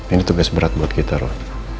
ini tugas berat buat kita roh